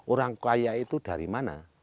orang kaya itu dari mana